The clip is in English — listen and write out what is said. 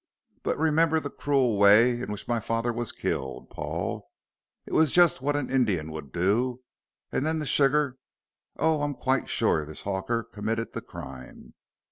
"But remember the cruel way in which my father was killed, Paul. It's just what an Indian would do, and then the sugar oh, I'm quite sure this hawker committed the crime."